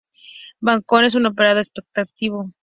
Bacon es un operador especulativo.